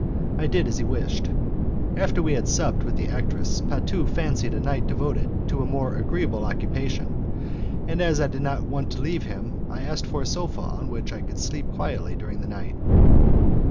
I did as he wished. After we had supped with the actress, Patu fancied a night devoted to a more agreeable occupation, and as I did not want to leave him I asked for a sofa on which I could sleep quietly during the night.